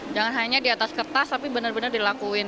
jangan hanya di atas kertas tapi benar benar dilakuin